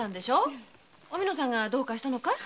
おみのさんがどうかしたのかい？